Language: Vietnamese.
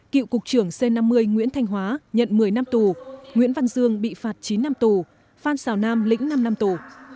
cựu cục trưởng c năm mươi nguyễn thanh hóa nhận một mươi năm tù nguyễn văn dương bị phạt chín năm tù phan xào nam lĩnh năm năm tù